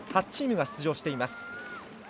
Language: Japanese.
８チームが出場しています。